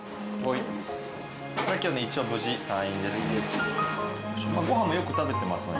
今日ね、一応無事退院ですんで。